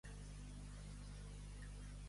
Córrer el rumor.